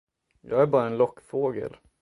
Jag är bara en lockfågel.